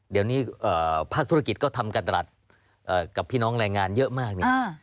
เดี๋ยวนี้ภาคธุรกิจก็ทำการตลาดกับพี่น้องแรงงานเยอะมากเนี่ย